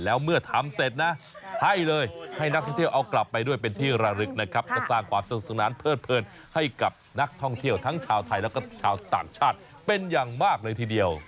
แล้วเมื่อทำเสร็จนะให้เลยให้นักท่องเที่ยวเอากลับไปด้วยเป็นที่ระลึกนะครับก็สร้างความสนุกสนานเพิดเผินให้กับนักท่องเที่ยวทั้งชาวไทยแล้วก็ชาวต่างชาติเป็นอย่างมากเลยทีเดียว